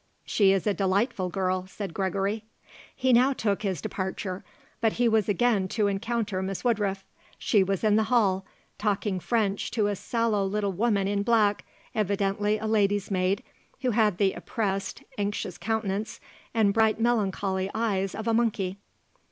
"She is a delightful girl," said Gregory. He now took his departure. But he was again to encounter Miss Woodruff. She was in the hall, talking French to a sallow little woman in black, evidently a ladies' maid, who had the oppressed, anxious countenance and bright, melancholy eyes of a monkey.